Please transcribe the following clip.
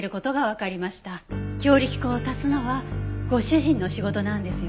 強力粉を足すのはご主人の仕事なんですよね？